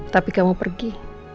tapi kamu pergi